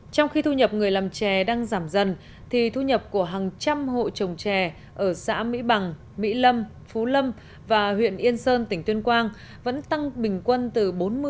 trong khi thu nhập người làm chè đang giảm dần thì thu nhập của hàng trăm hộ trồng trè ở xã mỹ bằng mỹ lâm phú lâm và huyện yên sơn tỉnh tuyên quang vẫn tăng bình quân từ bốn mươi